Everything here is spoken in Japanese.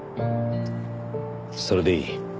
それでいい。